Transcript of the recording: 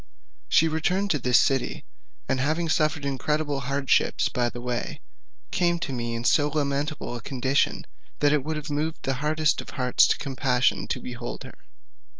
She returned to this city, and having suffered incredible hardships by the way, came to me in so lamentable a condition that it would have moved the hardest heart to compassion to behold her.